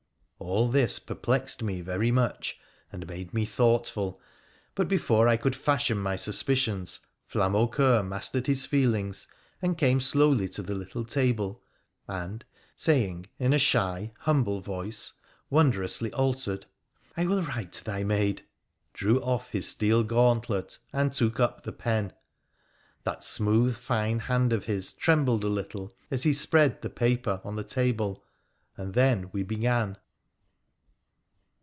All this perplexed me very much and made me thoughtful, but before I could fashion my suspicions, Flamaucoeur mastered his feelings, and came slowly to the little table, and, saying in a shy, humble voice, wondrously altered, ' I will write to thy maid !' drew off his steel gauntlet and took up the pen. That smooth fine hand of his trembled a little as he spread the paper on the table, and then we began.